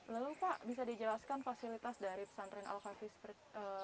lalu pak bisa dijelaskan fasilitas dari pesantren al kafi saat ini seperti apa